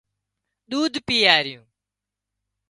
ۮوڌ پيائريون